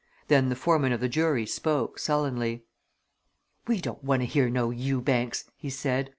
Then the foreman of the jury spoke, sullenly. "We don't want to hear no Ewbanks!" he said.